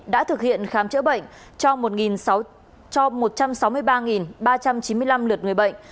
đã thực hiện khám chữa bệnh cho một trăm sáu mươi ba ba trăm chín mươi năm lượt người bệnh